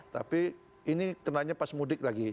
tapi ini kenanya pas mudik lagi